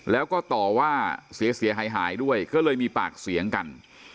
แล้วก็ต่อว่าเสียหายหายด้วยก็เลยมีปากเสียงกัน